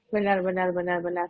benar benar benar